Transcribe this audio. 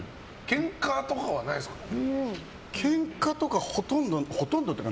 ケンカとかはないですね。